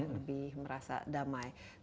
lebih merasa damai